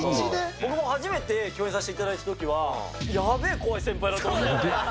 僕も初めて共演させていただいたときは、やべえ、怖い先輩だと思った。